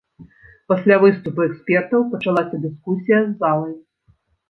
Пасля выступу экспертаў пачалася дыскусія з залай.